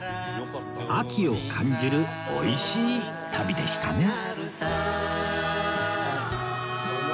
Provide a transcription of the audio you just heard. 秋を感じる美味しい旅でしたね